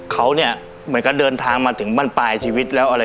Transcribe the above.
เขาเนี่ยเหมือนกับเดินทางมาถึงบ้านปลายชีวิตแล้วอะไร